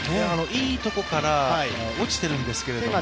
いいところから落ちているんですけども。